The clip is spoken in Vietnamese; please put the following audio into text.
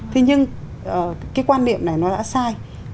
thế nhưng cái quan điểm này nó đã sai